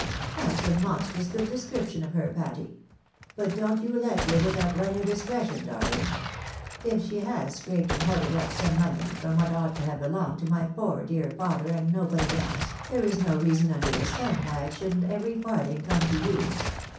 "That's a monstrous good description of her, Patty. But don't you let your wit outrun youi discretion, darling. If she has scraped and hoarded up some money from what ought to have belonged to my poor dear father and nobody else, there is no reason under the sim why it shouldn't every farthing come to you.